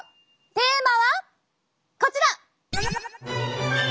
テーマはこちら！